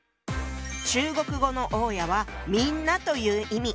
中国語の大家は「みんな」という意味。